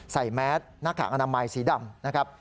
แมสหน้ากากอนามัยสีดำนะครับ